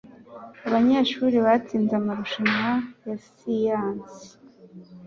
Abanyeshuri batsinze amarushanwa ya Siyansi